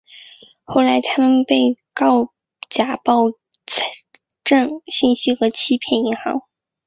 后来他被告假报财政信息和欺骗银行。